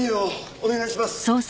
お願いします。